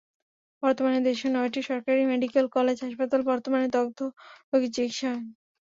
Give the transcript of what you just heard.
বর্তমানে দেশের নয়টি সরকারি মেডিকেল কলেজ হাসপাতালে বর্তমানে দগ্ধ রোগীর চিকিৎসা হয়।